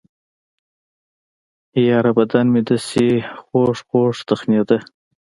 يره بدن مې دسې خوږخوږ تخنېده.